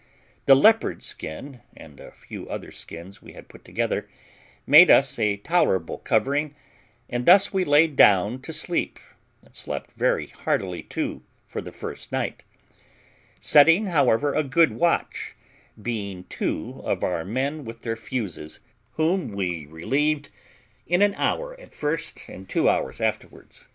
The leopard's skin, and a few other skins we had put together, made us a tolerable covering, and thus we laid down to sleep, and slept very heartily too, for the first night; setting, however, a good watch, being two of our own men with their fuzees, whom we relieved in an hour at first, and two hours afterwards.